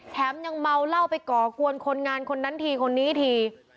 ยังเมาเหล้าไปก่อกวนคนงานคนนั้นทีคนนี้ที